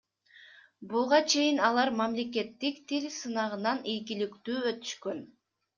Буга чейин алар мамлекеттик тил сынагынан ийгиликтүү өтүшкөн.